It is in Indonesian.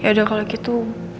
yaudah kalau gitu